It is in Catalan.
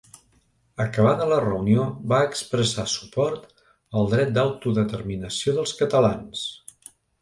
Acabada la reunió, va expressar suport al dret d’autodeterminació dels catalans.